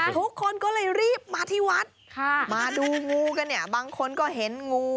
ทุกคนก็เลยรีบมาที่วัดมาดูงูกันเนี่ยบางคนก็เห็นงู